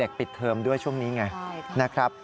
ปิดเทอมด้วยช่วงนี้ไงนะครับ